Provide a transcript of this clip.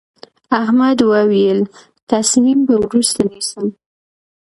احمد وويل: تصمیم به وروسته نیسم.